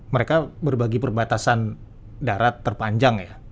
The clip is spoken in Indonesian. mereka berbagi perbatasan darat terpanjang ya